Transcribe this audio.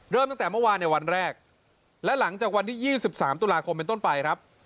ตั้งแต่เมื่อวานในวันแรกและหลังจากวันที่๒๓ตุลาคมเป็นต้นไปครับ